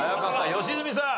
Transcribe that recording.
良純さん。